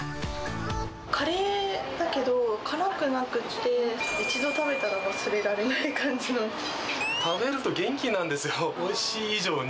カレーだけど、辛くなくて、食べると元気なんですよ、おいしい以上に。